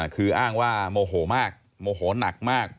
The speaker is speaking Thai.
คืออ้างว่าโมโหมากโมโหนักมาก